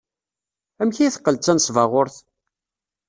Amek ay teqqel d tanesbaɣurt?